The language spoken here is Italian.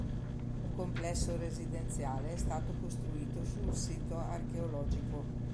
Un complesso residenziale è stato costruito sul sito archeologico.